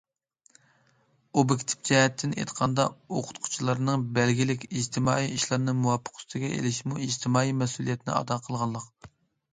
ئوبيېكتىپ جەھەتتىن ئېيتقاندا، ئوقۇتقۇچىلارنىڭ بەلگىلىك ئىجتىمائىي ئىشلارنى مۇۋاپىق ئۈستىگە ئېلىشىمۇ ئىجتىمائىي مەسئۇلىيەتنى ئادا قىلغانلىق.